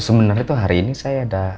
sebenarnya itu hari ini saya ada